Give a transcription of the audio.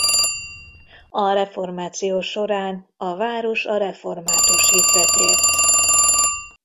A reformáció során a város a református hitre tért.